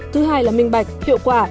thứ hai là minh bạch hiệu quả